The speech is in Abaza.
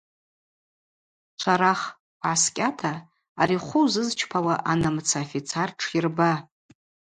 Шварах, угӏаскӏьата ари хвы узызчпауа анамыца афицар тшйырба.